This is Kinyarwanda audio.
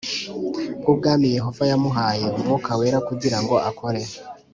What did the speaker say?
bw Ubwami Yehova yamuhaye umwuka wera kugira ngo akore